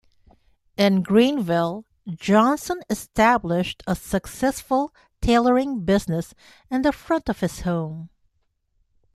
In Greeneville, Johnson established a successful tailoring business in the front of his home.